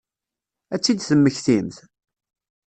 Ad tt-id-temmektimt?